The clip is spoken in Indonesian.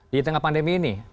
di tengah pandemi ini